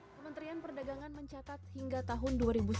kementerian perdagangan mencatat hingga tahun dua ribu sembilan belas